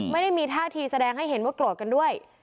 ไม่ได้มีท่าทีแสดงให้เห็นว่าโกรธกันด้วย